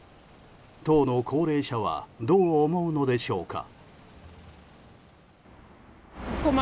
当の高齢者はどう思うのでしょうか。